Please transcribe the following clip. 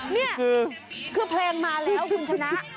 นี่คือเพลงมาแล้วคุณชนะ